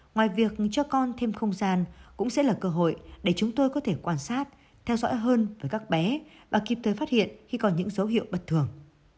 ngoài việc cho con thêm không gian cũng sẽ là cơ hội để chúng tôi có thể quan sát theo dõi hơn với các bé và kịp thời phát hiện khi còn những dấu hiệu bất thường